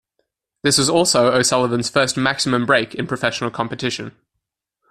This was also O'Sullivan's first maximum break in professional competition.